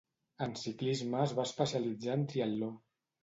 En ciclisme es va especialitzar en triatló.